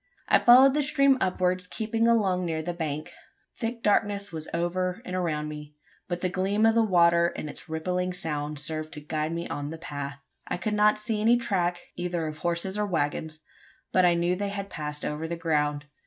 I followed the stream upwards, keeping along near the bank. Thick darkness was over and around me; but the gleam of the water and its rippling sound served to guide me on the path. I could not see any track either of horses or waggons but I knew they had passed over the ground.